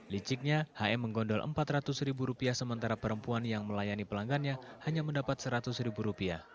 liciknya hm menggondol empat ratus ribu rupiah sementara perempuan yang melayani pelanggannya hanya mendapat seratus ribu rupiah